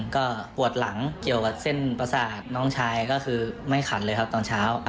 ก็ปวดหลังเกี่ยวกับเส้นประสาทน้องชายก็คือไม่ขันเลยครับตอนเช้า